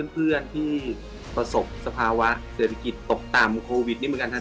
เพื่อนที่ประสบสภาวะเศรษฐกิจตกต่ำโควิดนี่เหมือนกันครับ